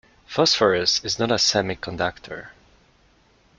Phosphorus is not a semiconductor.